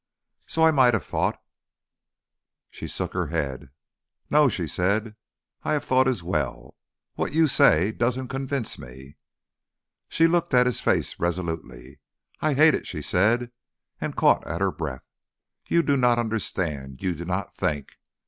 "So I might have thought " She shook her head. "No," she said, "I have thought as well. What you say doesn't convince me." She looked at his face resolutely. "I hate it," she said, and caught at her breath. "You do not understand, you do not think.